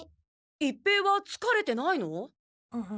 一平はつかれてないの？